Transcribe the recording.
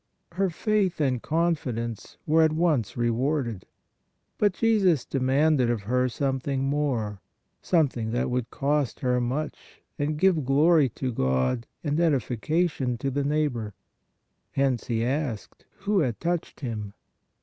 Her faith and confidence were at once rewarded. But Jesus demanded of her something more, something that would cost her much and give glory to God and edification to the neighbor. Hence He asked, who had touched Him.